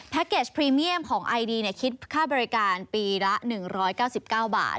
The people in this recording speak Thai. เกจพรีเมียมของไอดีคิดค่าบริการปีละ๑๙๙บาท